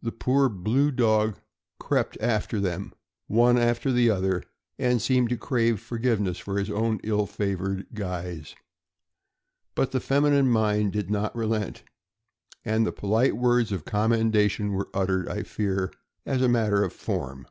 The poor blue dog crept after them, one after the other, and seemed to crave forgiveness for his own ill favored guise ; but the feminine mind did not relent, and polite words of commendation were uttered, I fear, as a matter of form.